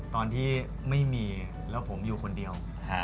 ตอนที่ไม่มีแล้วผมอยู่คนเดียว